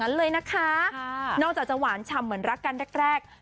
เลยนะคะนอกจากจะหวานฉ่ำเหมือนรักกันแรกแรก